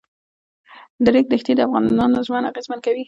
د ریګ دښتې د افغانانو ژوند اغېزمن کوي.